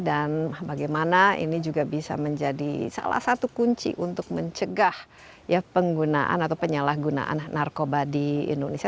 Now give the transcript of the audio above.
dan bagaimana ini juga bisa menjadi salah satu kunci untuk mencegah ya penggunaan atau penyalahgunaan narkoba di indonesia